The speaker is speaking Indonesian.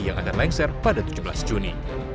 yang akan lengser pada tujuh belas juni